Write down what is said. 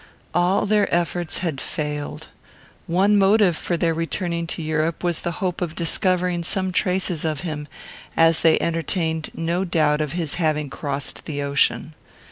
All their efforts had failed. One motive for their returning to Europe was the hope of discovering some traces of him, as they entertained no doubt of his having crossed the ocean.